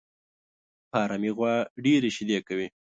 فارمي غوا ډېري شيدې کوي